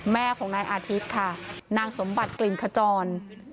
แม่ของนายอาทิตย์ค่ะนางสมบัติกลิ่นขจร